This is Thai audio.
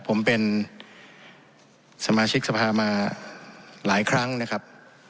ผมเป็นสมาชิกสภามาหลายครั้งนะครับ